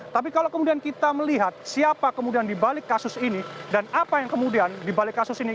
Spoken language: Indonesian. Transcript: tapi kalau kemudian kita melihat siapa kemudian dibalik kasus ini dan apa yang kemudian dibalik kasus ini